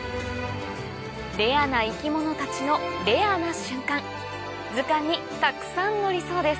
レアな生き物たちのレアな瞬間図鑑にたくさん載りそうです